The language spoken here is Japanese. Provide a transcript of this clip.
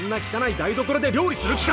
台所で料理する気か！？